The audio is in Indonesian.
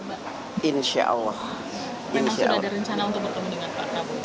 memang sudah ada rencana untuk berkembang dengan pak rambu